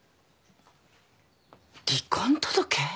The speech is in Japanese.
離婚届？